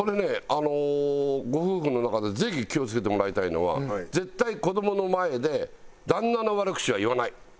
あのご夫婦の中でぜひ気を付けてもらいたいのは絶対子どもの前で旦那の悪口は言わない。